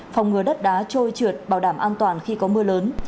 phòng ngừa đất đá trôi trượt bảo đảm an toàn khi có mưa lớn